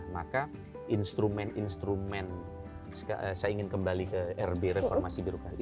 maka instrumen instrumen saya ingin kembali ke rb reformasi birokrasi